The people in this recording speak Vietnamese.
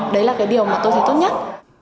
đấy là cái điều mà tôi thấy tốt nhất